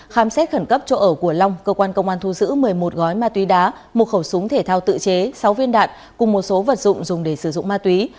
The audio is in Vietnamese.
khám xét khẩn cấp chỗ ở của long cơ quan công an thu giữ một mươi một gói ma túy đá một khẩu súng thể thao tự chế sáu viên đạn cùng một số vật dụng dùng để sử dụng ma túy